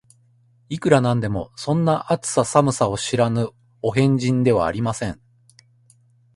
いくら何でも、そんな、暑さ寒さを知らぬお変人ではありません